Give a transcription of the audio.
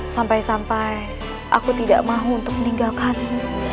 sampai sampai aku tidak mau untuk meninggalkanmu